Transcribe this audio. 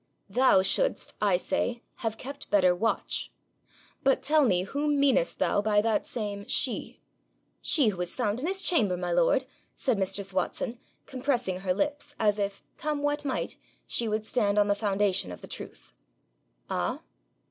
'Thou shouldst, I say, have kept better watch. But tell me whom meanest thou by that same SHE?' 'She who was found in his chamber, my lord,' said mistress Watson, compressing her lips, as if, come what might, she would stand on the foundation of the truth. 'Ah?